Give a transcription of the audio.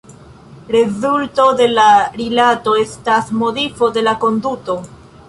Rezulto de la rilato estas modifo de la konduto.